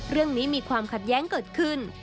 เรื่องนี้มีความขัดแย้งเกิดขึ้น